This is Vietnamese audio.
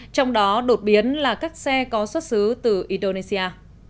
trong đó đột biến là các xe có xuất xứ từ indonesia